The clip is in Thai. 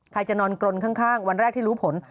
จะนอนกรนข้างวันแรกที่รู้ผล